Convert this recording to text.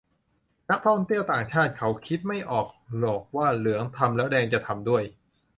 นักท่องเที่ยวต่างชาติเค้าคิดไม่ออกหรอกว่าเหลืองทำแล้วแดงจะทำด้วย